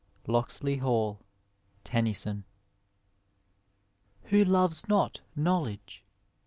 Lockdey HaU, TmnxYBOV. Who loves not knowledge